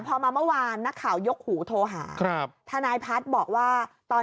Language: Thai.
พอมาเมื่อวานนักข่าวยกหูโทรหาครับทนายพัฒน์บอกว่าตอน